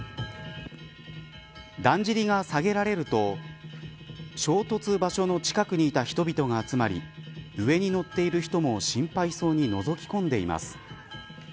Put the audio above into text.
だんじりが下げられると衝突場所の近くにいた人々が集まり上に乗っている人も心配そうにのぞき込んでいます。